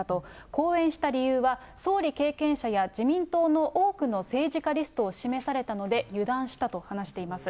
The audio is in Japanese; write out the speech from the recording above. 講演した理由は総理経験者や自民党の多くの政治家リストを示されたので油断したと話しています。